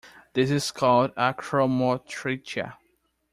This is called achromotrichia.